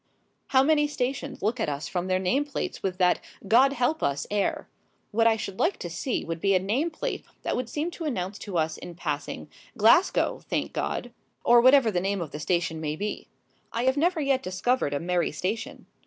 How many stations look at us from their name plates with that "God help us!" air! What I should like to see would be a name plate that would seem to announce to us in passing: "Glasgow, thank God!" or whatever the name of the station may be. I have never yet discovered a merry station.